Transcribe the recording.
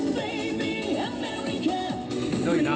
しんどいな。